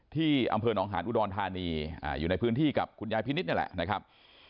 ที่อำเภอหนองหาญอุดรธานีอยู่ในพื้นที่กับคุณยายพินิษฐ์นี่แหละนะครับ